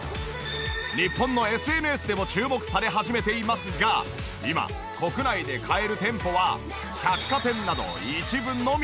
日本のＳＮＳでも注目され始めていますが今国内で買える店舗は百貨店など一部のみ。